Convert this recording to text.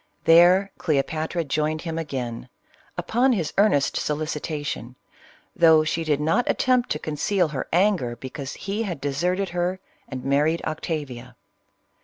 There Cleopatra joined him 4igain, upon his earnest solicitation, though she did not attempt to conceal her anger because he had deserted her, and married Octa via.